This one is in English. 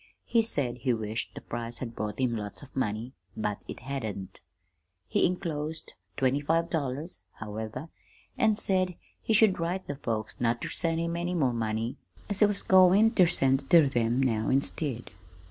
He said he wished the prize had brought him lots of money, but it hadn't. He enclosed twenty five dollars, however, and said he should write the folks not ter send him any more money, as he was goin' ter send it ter them now instead.